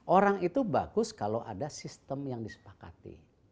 orang itu bagus kalau ada sistem yang disepakati